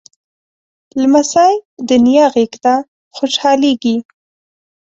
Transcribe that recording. لمسی د نیا غېږ ته خوشحالېږي.